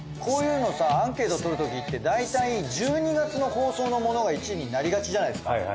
こういうのさアンケート取るときってだいたい１２月の放送のものが１位になりがちじゃないですか。